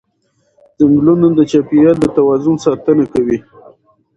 ځنګلونه د چاپېریال د توازن ساتنه کوي